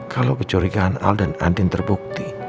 kalau kecurigaan al dan andin terbukti